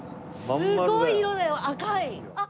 すごい色だよ赤い。あっ！